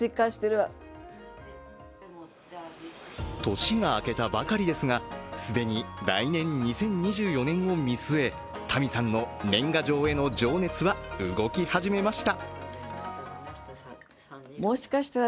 年が明けたばかりですが既に来年２０２４年を見据えタミさんの年賀状への情熱は動き始めました。